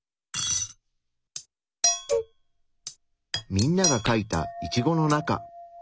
みんながかいたイチゴの中。